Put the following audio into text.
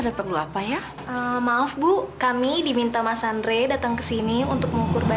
tante ingin kamu menerima andre dalam hidup kamu